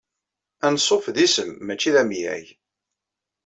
Ansuf d isem mačči d amyag.